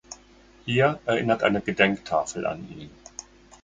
Hier erinnert eine Gedenktafel an ihn.